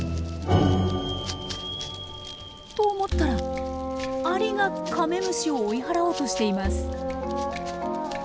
と思ったらアリがカメムシを追い払おうとしています。